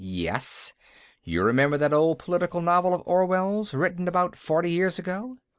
"Yes. You remember that old political novel of Orwell's, written about forty years ago?